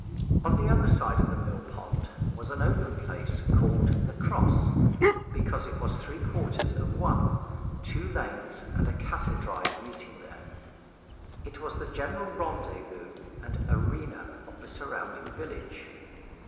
On the other side of the mill pond was an open place called the Cross, because it was three quarters of one, two lanes and a cattle drive meeting there. It was the general rendezvous and arena of the surrounding village.